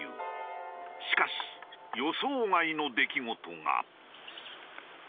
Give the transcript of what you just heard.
しかし予想外の出来事が。